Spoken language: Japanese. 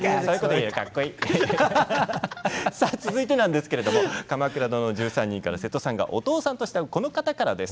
続いては「鎌倉殿の１３人」から瀬戸さんがお父さんと慕うこの方からです。